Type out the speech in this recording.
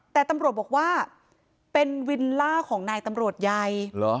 แต่ตำรวจบอกว่าเป็นวิลล่าของนายตำรวจใหญ่